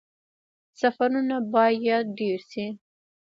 سفرونه باید ډیر شي